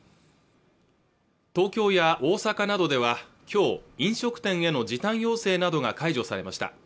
東京や大阪などではきょう飲食店への時短要請などが解除されました